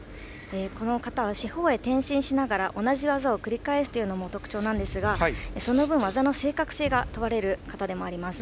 この形は四方へ転進しながら同じ技を繰り返すのが特徴なんですがその分、技の正確性が問われる形でもあります。